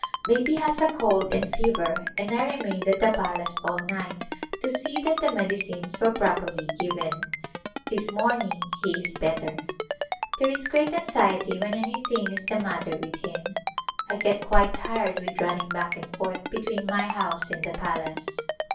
Baby has a cold and fever and I remained at the palace all night to see that the medicines were properly given ; this morning he is better. There is great anxiety when anything is the matter with him. I get quite tired with running back and forth between my house and the palace.